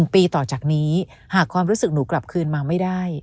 ๑ปีต่อจากนี้หากความรู้สึกหนูกลับคืนมาไม่ได้